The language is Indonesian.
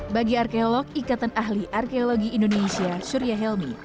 bagi arkeolog ikatan ahli arkeologi indonesia surya helmi